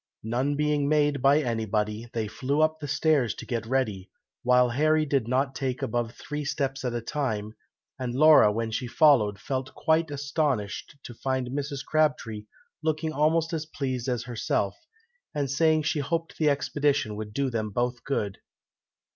None being made by anybody, they flew up stairs to get ready, while Harry did not take above three steps at a time, and Laura, when she followed, felt quite astonished to find Mrs. Crabtree looking almost as pleased as herself, and saying she hoped the expedition would do them both good.